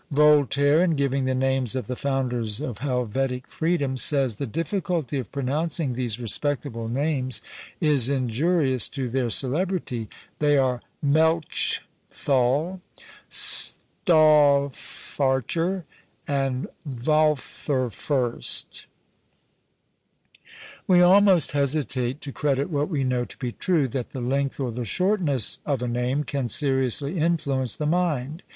Voltaire, in giving the names of the founders of Helvetic freedom, says, the difficulty of pronouncing these respectable names is injurious to their celebrity; they are Melchthal, Stawffarcher, and Valtherfurst. We almost hesitate to credit what we know to be true, that the length or the shortness of a name can seriously influence the mind.